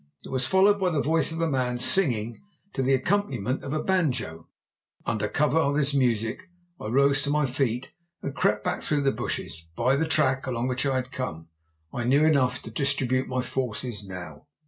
It was followed by the voice of a man singing to the accompaniment of a banjo. Under cover of his music I rose to my feet and crept back through the bushes, by the track along which I had come. I knew enough to distribute my forces now.